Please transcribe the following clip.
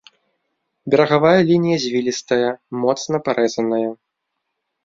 Берагавая лінія звілістая, моцна парэзаная.